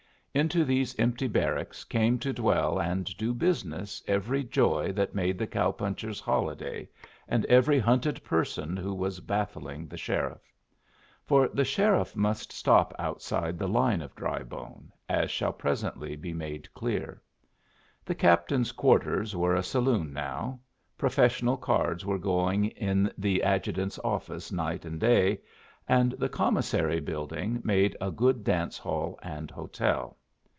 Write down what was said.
Into these empty barracks came to dwell and do business every joy that made the cow puncher's holiday, and every hunted person who was baffling the sheriff. For the sheriff must stop outside the line of Drybone, as shall presently be made clear. The captain's quarters were a saloon now; professional cards were going in the adjutant's office night and day; and the commissary building made a good dance hall and hotel.